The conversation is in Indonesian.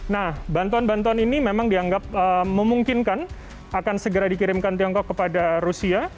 nah bantuan bantuan ini memang dianggap memungkinkan akan segera dikirimkan tiongkok kepada rusia